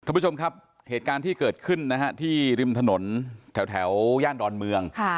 ผู้ชมครับเหตุการณ์ที่เกิดขึ้นนะฮะที่ริมถนนแถวย่านดอนเมือง